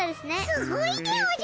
すごいでおじゃる。